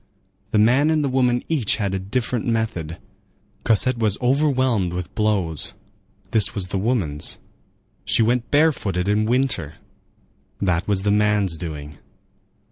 The man and the woman each had a different method: Cosette was overwhelmed with blows—this was the woman's; she went barefooted in winter—that was the man's doing.